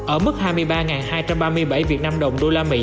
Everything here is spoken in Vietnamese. ở mức hai mươi ba hai trăm ba mươi bảy vnđ usd